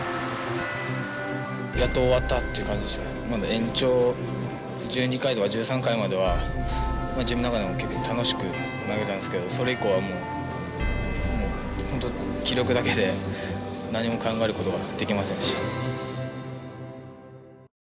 延長１２回とか１３回までは自分の中でも結構楽しく投げたんですけどそれ以降はもう本当気力だけで何も考えることができませんでした。